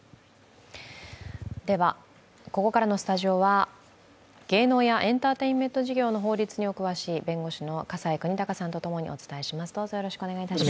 ここからのスタジオは芸能やエンターテインメント事業の法律にお詳しい弁護士の河西邦剛さんとともにお伝えします。